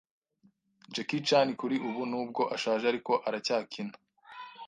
Jackie Chan kuri ubu n’ubwo ashaje ariko aracyakina